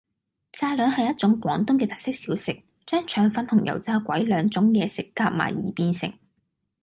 炸兩係一種廣東嘅特色小食，將腸粉同油炸鬼兩種嘢食夾埋而變成